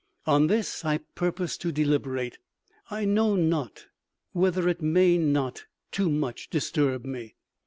On this I purpose to deliberate; I know not whether it may not too much disturb me."